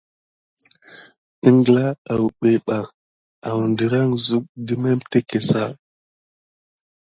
Əŋgla awɓəɗ ɓa awdəran zuk də memteke sa?